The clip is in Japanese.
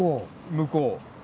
向こう。